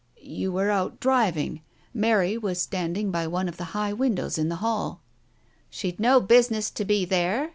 "You were out driving. Mary was standing by one of the high windows in the hall " "She'd no business to be there.